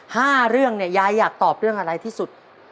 เรื่องเนี่ยยายอยากตอบเรื่องอะไรที่สุด